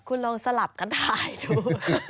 คุณลองสลับกันถ่ายดู